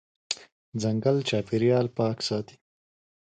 ځنګل چاپېریال پاک ساتي.